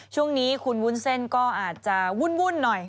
ช่วงนี้คุณวุ้นเส้นก็อาจจะวุ่นหน่อย